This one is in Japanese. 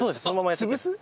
潰す？